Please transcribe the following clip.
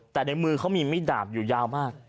แต่ในมือเขามีมิดดาบอยู่ยาวมาก